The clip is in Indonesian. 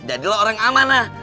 jadilah orang amanah